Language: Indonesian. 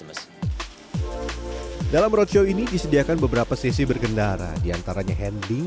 indonesia customers dalam roadshow ini disediakan beberapa sesi bergendara diantaranya handling